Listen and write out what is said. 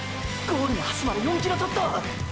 ゴールの橋まで４キロちょっと！